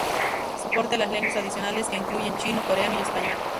Soporte a las lenguas adicionales que incluyen chino, coreano, y español.